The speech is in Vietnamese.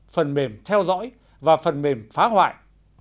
phần mềm theo dõi và phần mềm phá hoại